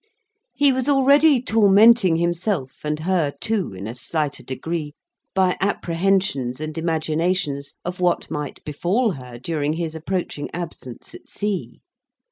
He was already tormenting himself, and her too, in a slighter degree, by apprehensions and imaginations of what might befall her during his approaching absence at sea.